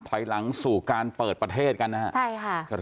ถอยหลังสู่การเปิดประเทศกันนะครับใช่ค่ะ